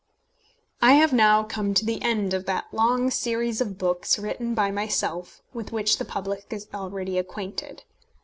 I have now come to the end of that long series of books written by myself, with which the public is already acquainted.